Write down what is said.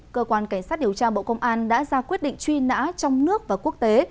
cơ quan cảnh sát điều tra bộ công an đã ra quyết định truy nã trong nước và quốc tế